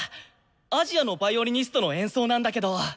アジアのヴァイオリニストの演奏なんだけど。